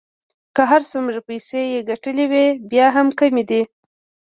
که هر څومره پیسې يې ګټلې وې بیا هم کمې دي.